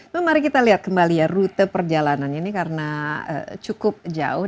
mari kita lihat kembali ya rute perjalanan ini karena cukup jauh